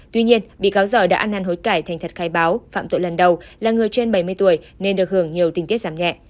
tuy nhiên bị cáo giỏi đã ăn năn hối cải thành thật khai báo phạm tội lần đầu là người trên bảy mươi tuổi nên được hưởng nhiều tình tiết giảm nhẹ